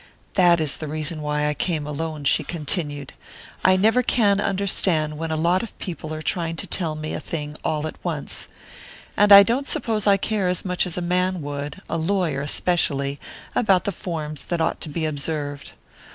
"That is the reason why I came alone," she continued. "I never can understand when a lot of people are trying to tell me a thing all at once. And I don't suppose I care as much as a man would a lawyer especially about the forms that ought to be observed.